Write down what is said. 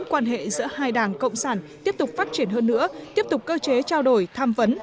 quan hệ giữa hai đảng cộng sản tiếp tục phát triển hơn nữa tiếp tục cơ chế trao đổi tham vấn